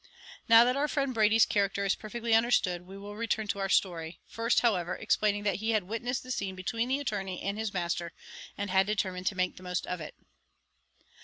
Now that our friend Brady's character is perfectly understood, we will return to our story; first, however, explaining that he had witnessed the scene between the attorney and his master, and had determined to make the most of it.